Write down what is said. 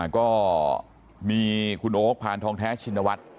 ก็มีคุณโอ๊คพานทองแท้ชินวัฒน์